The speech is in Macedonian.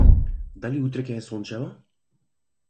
Дали утре ќе е сончево?